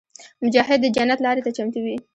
مجاهد د جنت لارې ته چمتو وي.